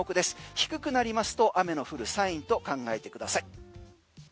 低くなりますと雨の降るサインと考えてください。